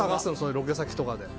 ロケ先とかで。